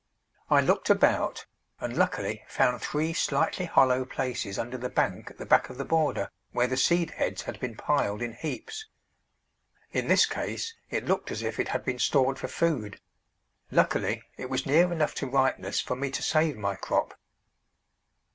I looked about, and luckily found three slightly hollow places under the bank at the back of the border where the seed heads had been piled in heaps. In this case it looked as if it had been stored for food; luckily it was near enough to ripeness for me to save my crop.